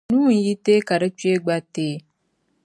Nuu n-yi teei ka di kpee gba teei.